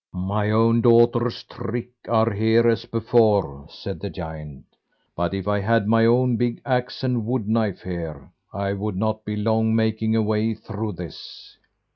"My own daughter's tricks are here as before," said the giant; "but if I had my own big axe and wood knife here, I would not be long making a way through this."